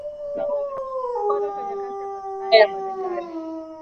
mkono kwenye kazi ya maslahi ya Marekani